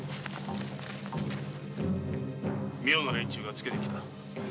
妙な連中がつけて来た。